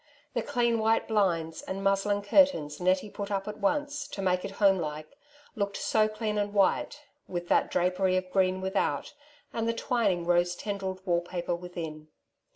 The clean white blinds and muslin curtains Nettie put up at once to make it home like, looked so clean and white, with that drapery of green without, and the twining rose tendrilled wall paper within.